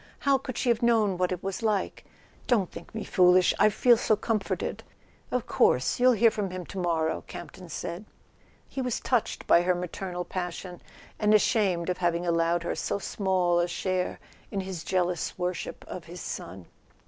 How could she have known what it was like? Don't think me foolish—I feel so comforted!" "Of course; you'll hear from him to morrow," Camp¬ ton said. He was touched by her maternal passion, and ashamed of having allowed her so small a share in his jealous worship of his son.